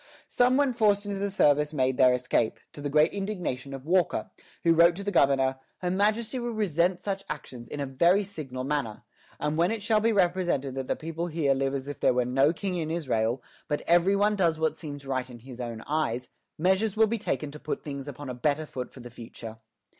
Some when forced into the service made their escape, to the great indignation of Walker, who wrote to the governor: "Her Majesty will resent such actions in a very signal manner; and when it shall be represented that the people live here as if there were no king in Israel, but every one does what seems right in his own eyes, measures will be taken to put things upon a better foot for the future."